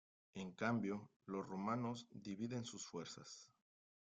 En cambio, los romanos dividen sus fuerzas.